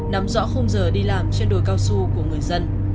nắm rõ không giờ đi làm trên đồi cao su của người dân